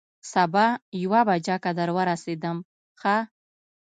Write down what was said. سبا یوه بجه که در ورسېدم، ښه.